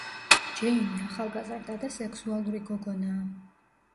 ჯეინი ახალგაზრდა და სექსუალური გოგონაა.